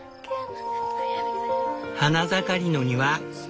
花盛りの庭。